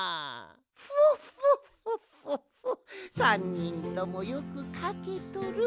３にんともよくかけとる。